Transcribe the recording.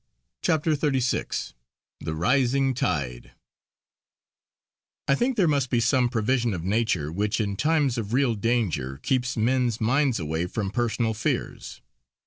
CHAPTER XXXVI THE RISING TIDE I think there must be some provision of nature which in times of real danger keeps men's minds away from personal fears.